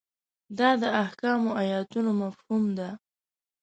دا د احکامو ایتونو مفهوم ده.